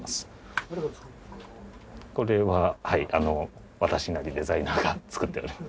これは私なりデザイナーが作ってる。